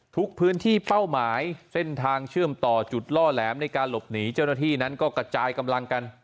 ทุกพื้นที่เป้าหมายเส้นทางเชื่อมต่อจุดล่อแหลมในการหลบหนีเจ้าหน้าที่นั้นก็กระจายกำลังกัน